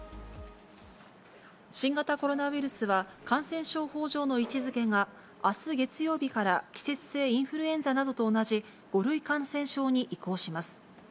新型コロナウイルスは、感染症法上の位置づけが、あす月曜日から季節性インフルエンザなどと同じ５類感染症に移行します。